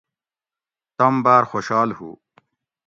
تم باۤر خوشال ہُو